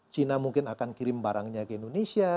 china mungkin akan kirim barangnya ke indonesia